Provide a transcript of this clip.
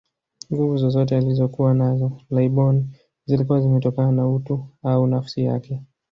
Nguvu zozote alizokuwa nazo laibon zilikuwa zimetokana na utu au nafsi yake